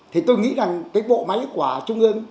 thì tôi nghĩ rằng cái bộ máy của trung ương